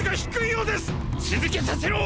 続けさせろ！！